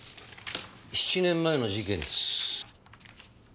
７年前の事件です。